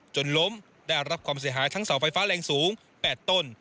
จนล้มได้รับความเสียหายทั้งเสาไฟฟ้าแรงสูง๘ต้น